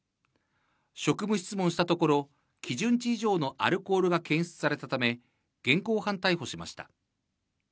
職務質問したところ、基準値以上のアルコールが検出されたため、現行犯逮捕しました。